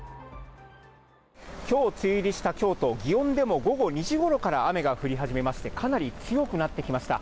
きょう、梅雨入りした京都・祇園でも午後２時ごろから雨が降り始めまして、かなり強くなってきました。